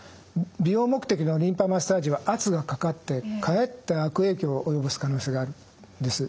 美容目的のリンパマッサージは圧がかかってかえって悪影響を及ぼす可能性があるんです。